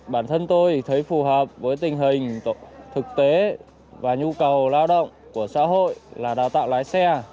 bản thân tôi thấy phù hợp với tình hình thực tế và nhu cầu lao động của xã hội là đào tạo lái xe